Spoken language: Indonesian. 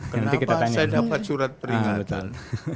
kenapa saya dapat surat peringatan